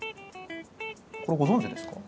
これご存じですか？